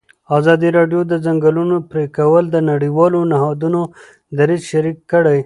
ازادي راډیو د د ځنګلونو پرېکول د نړیوالو نهادونو دریځ شریک کړی.